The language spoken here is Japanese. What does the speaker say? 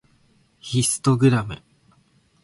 ヒストグラム